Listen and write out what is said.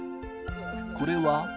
これは。